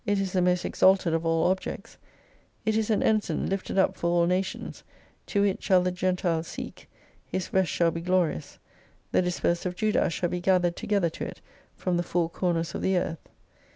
It is the most exalted of all objects. It is an Ensign lifted up for all nations, to it shall the Gentiles seek, His rest shall be glorious : the dispersed of Judah shall be gathered together to it, from the four corners of the earth.